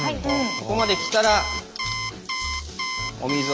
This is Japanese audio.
ここまできたら。